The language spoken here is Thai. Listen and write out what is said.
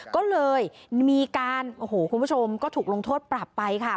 ก็เลยมีการโอ้โหคุณผู้ชมก็ถูกลงโทษปรับไปค่ะ